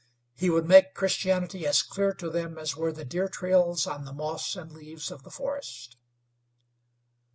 He would make Christianity as clear to them as were the deer trails on the moss and leaves of the forest.